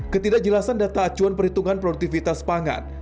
ketidakjelasan data acuan perhitungan produktivitas pangan